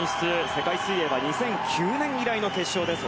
世界水泳は２００９年以来の決勝です。